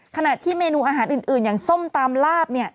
ขณะที่เมนูอาหารอื่นอย่างส้มตำลาบ